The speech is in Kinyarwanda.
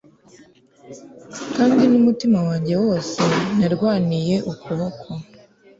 Kandi numutima wanjye wose narwaniye ukuboko